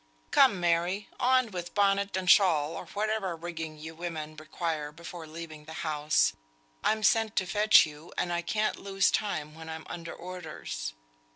"Come, Mary! on with bonnet and shawl, or whatever rigging you women require before leaving the house. I'm sent to fetch you, and I can't lose time when I'm under orders."